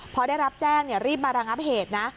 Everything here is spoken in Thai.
พอได้รับแจ้งรีบมาระงับเหตุนะ